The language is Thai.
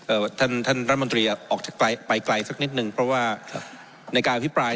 ท่านท่านรัฐมนตรีออกไกลไปไกลสักนิดนึงเพราะว่าในการอภิปราย